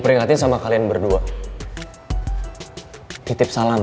perkembangan kita lumayan depending on it